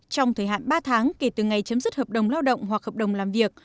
trong thời hạn ba tháng kể từ ngày chấm dứt hợp đồng lao động hoặc hợp đồng làm việc